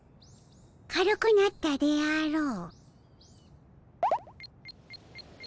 軽くなったであろう。